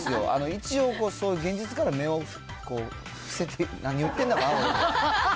一応、現実から目をこう、伏せて、何言ってるのかな。